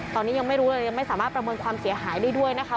ตอนนี้ยังไม่รู้เลยยังไม่สามารถประเมินความเสียหายได้ด้วยนะคะ